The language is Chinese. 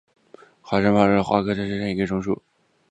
华山报春为报春花科报春花属下的一个种。